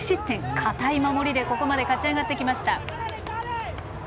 堅い守りでここまで勝ち上がってきました。